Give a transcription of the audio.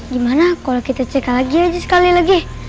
gimana kalau kita cek lagi aja sekali lagi